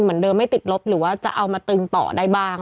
เหมือนเดิมไม่ติดลบหรือว่าจะเอามาตึงต่อได้บ้าง